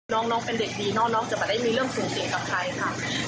น้องเป็นเด็กดีน้องจะไม่ได้มีเรื่องสูงเสียกับใครค่ะ